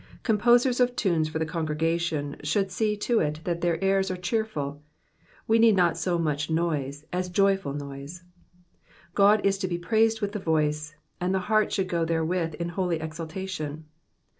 Composers of tunes for the congre gation should see to it that their airs are cheerful ; we need not so much noise, AB joyful noise. God is to be praised with the voice, and the heart should go therewith in holy exultation.